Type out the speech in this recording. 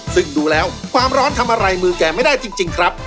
ซึ่งดูแล้วความร้อนทำอะไรมือแกไม่ได้จริงครับ